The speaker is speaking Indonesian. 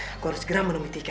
aku harus segera menemui tiga